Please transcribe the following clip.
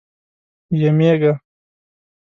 یمېږه.